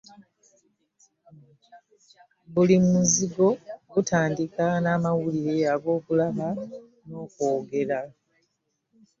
Buli muzingo gutandika n’amawulire ag’okulaba n’okwogera.